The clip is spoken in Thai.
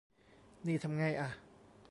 นี่ทำไงอะ